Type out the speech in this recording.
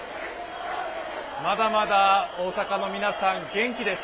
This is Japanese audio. まだまだ大阪の皆さん、元気です。